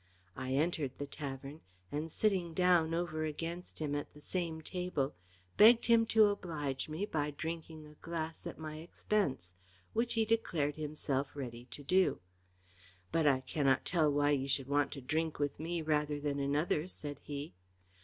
I entered the tavern, and sitting down over against him at the same table, begged him to oblige me by drinking a glass at my expense, which he declared himself ready to do. "But I cannot tell why you should want to drink with me rather than another," said he.